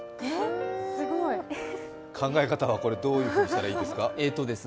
考え方はこれ、どういうふうにしたらいいですか？